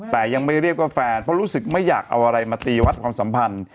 แต่ยังไม่เรียกว่าแฟนเพราะรู้สึกไม่อยากเอาอะไรมาตีวัดความสัมพันธ์